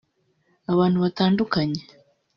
Abantu batandukanye